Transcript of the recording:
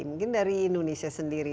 mungkin dari indonesia sendiri